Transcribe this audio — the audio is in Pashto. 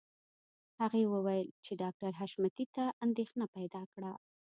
هغې وویل چې ډاکټر حشمتي ته اندېښنه پیدا کړه